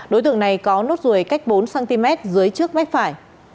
đối tượng này có nốt ruồi cách bốn cm dưới trước mép phải